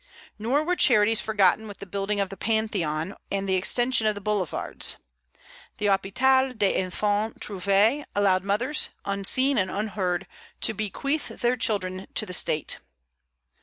Nor were charities forgotten with the building of the Pantheon and the extension of the Boulevards. The Hôpital des Enfants Trouvés allowed mothers, unseen and unheard, to bequeath their children to the State.